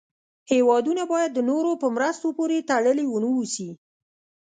هېوادونه باید د نورو په مرستو پورې تړلې و نه اوسي.